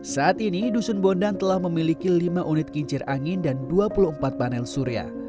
saat ini dusun bondang telah memiliki lima unit kincir angin dan dua puluh empat panel surya